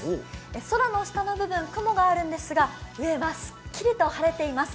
空の下の部分、雲があるんですが、上はすっきりと晴れています。